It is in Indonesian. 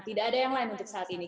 tidak ada yang lain untuk saat ini